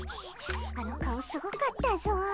あの顔すごかったぞ。